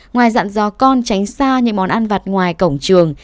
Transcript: ngoài dặn dò con tránh xa những món ăn vặt ngoài cổng trường